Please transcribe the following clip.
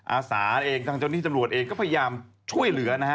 อาสาเองทางเจ้าหน้าที่ตำรวจเองก็พยายามช่วยเหลือนะฮะ